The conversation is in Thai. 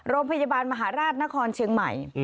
โรงพยาบาลมหาราชนครเชียงใหม่